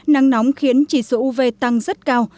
nắng nóng khiến chỉ số uv tăng rất cao